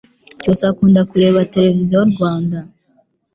cyusa akunda kureba televiziyo rwanda